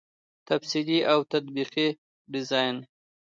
تفصیلي او تطبیقي ډيزاين